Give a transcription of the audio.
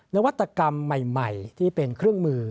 นวัตกรรมใหม่ที่เป็นเครื่องมือ